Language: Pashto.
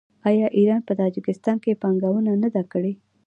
آیا ایران په تاجکستان کې پانګونه نه ده کړې؟